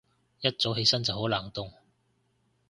一早起身就好冷凍